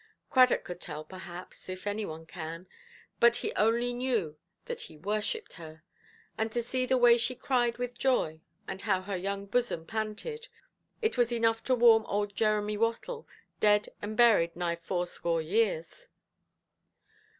Cradock could tell, perhaps, if any one can; but he only knew that he worshipped her. And to see the way she cried with joy, and how her young bosom panted; it was enough to warm old Jeremy Wattle, dead and buried nigh fourscore years.